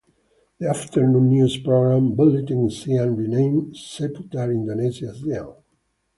The afternoon news program, Buletin Siang renamed Seputar Indonesia Siang.